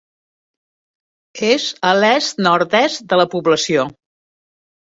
És a l'est-nord-est de la població.